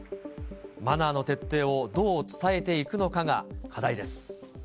マナーの徹底をどう伝えていくのかが課題です。